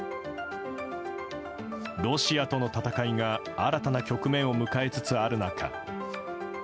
ロシアとの戦いが新たな局面を迎えつつある中